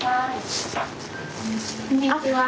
こんにちは。